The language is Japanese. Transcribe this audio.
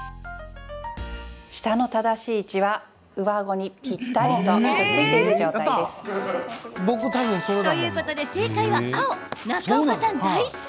舌の正しい位置は上あごにぴったりとくっついている状態です。ということで、正解は青。